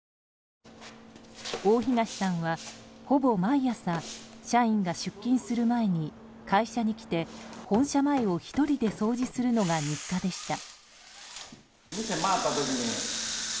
大東さんは、ほぼ毎朝社員が出勤する前に会社に来て、本社前を１人で掃除するのが日課でした。